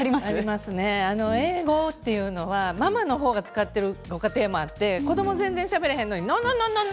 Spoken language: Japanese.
英語というのはママの方が使っているご家庭もあって子どもは全然しゃべれへんのに。